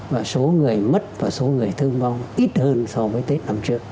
và số người mất và số người thương vong ít hơn so với tết năm trước